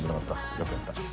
よくやった。